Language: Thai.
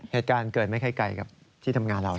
เหตุการณ์เกิดไม่ค่อยไกลกับที่ทำงานเรา